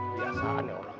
biasa kan ya orang